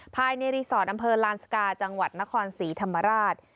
ภายในรีสอร์ทอำเภอลานสกาจังหวัดนครศรีธรรมราช